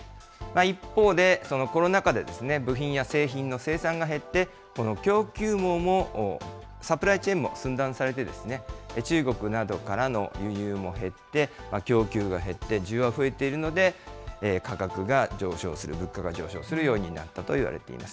一方で、そのコロナ禍で部品や製品の生産が減って、この供給網も、サプライチェーンも寸断されて、中国などからの輸入も減って、供給が減って、需要が増えているので、価格が上昇する、物価が上昇する要因になったといわれています。